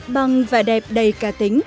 bằng vẻ đẹp đầy ca tính